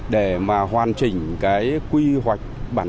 để mà hoàn chỉnh đất ở của người dân ra khỏi quy hoạch rừng phòng hộ